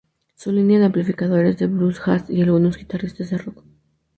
Su línea de amplificadores de blues, jazz, y algunos guitarristas de rock.